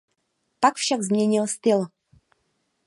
Pak však změnil styl.